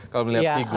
kalau melihat figur